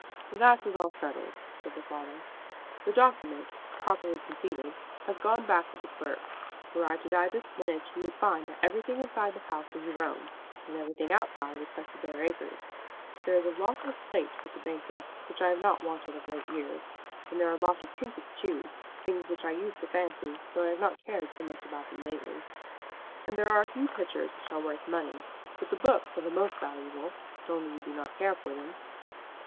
"That is all settled," said the father. "The document, properly completed, has gone back with the clerk. Were I to die this minute you would find that everything inside the house is your own, and everything outside except the bare acres. There is a lot of plate with the banker which I have not wanted of late years. And there are a lot of trinkets too, things which I used to fancy, though I have not cared so much about them lately. And there are a few pictures which are worth money. But the books are the most valuable; only you do not care for them."